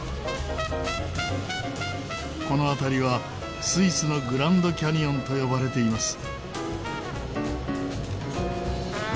この辺りはスイスのグランドキャニオンと呼ばれています。